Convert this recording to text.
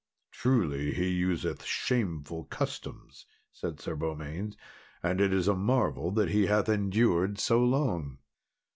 "Truly he useth shameful customs," said Sir Beaumains; "and it is a marvel that he hath endured so long."